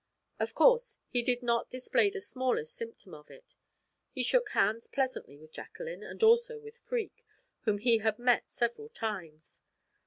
Of course, he did not display the smallest symptom of it. He shook hands pleasantly with Jacqueline, and also with Freke, whom he had met several times.